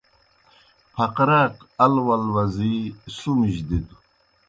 پھقراک ال ول وزی سُمِجیْ دِتوْ۔